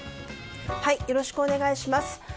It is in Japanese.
よろしくお願いします。